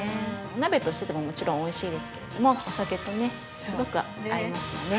鍋としてでももちろんおいしいですけれどもお酒とね、すごく合いますよね。